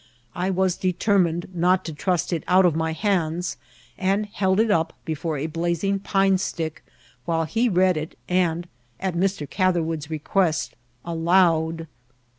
I was determined not to trust it out of my hands, and held it uqp before a blazing pine stick while he read it, and, at Mr. Catherwood's request, aloud.